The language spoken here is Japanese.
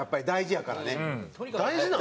大事なの？